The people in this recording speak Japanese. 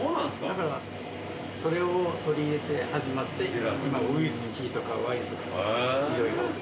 だからそれを取り入れて始まって今ウイスキーとかワインとか色々。